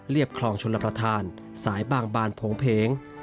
คลองชนประธานสายบางบานโผงเพง